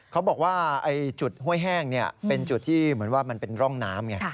เขาบอกว่าจุดห้วยแห้งเป็นจุดที่เหมือนว่ามันเป็นร่องน้ำไง